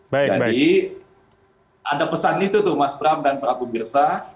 jadi ada pesan itu tuh mas bram dan prabu birsa